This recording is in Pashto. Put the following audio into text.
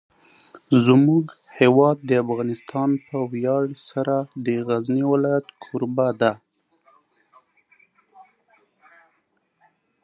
زموږ هیواد افغانستان په ویاړ سره د غزني ولایت کوربه دی.